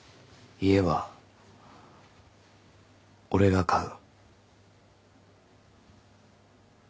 家は俺が買う。